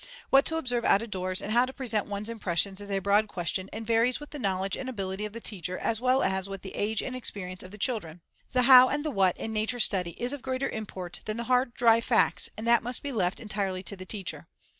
What to observe out doors and how to present one's impressions is a broad question and varies with the knowledge and ability of the teacher as well as with the age and experience of the children. The how and the what in nature study is of greater import than the hard, dry facts and that must be left entirely to the teacher.